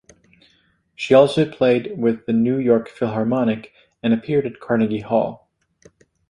She also played with the New York Philharmonic and appeared at Carnegie Hall.